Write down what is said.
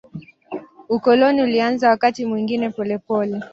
Ukoloni ulianza wakati mwingine polepole.